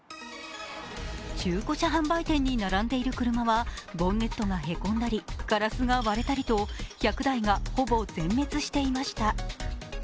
中古車販売店に並んでいる車はボンネットがへこんだりガラスが割れたりと１００台がほぼ全滅していました。